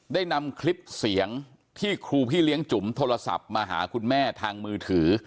ได้นำคลิปเสียงที่ครูพี่เลี้ยงจุ๋มโทรศัพท์มาหาคุณแม่ทางมือถือ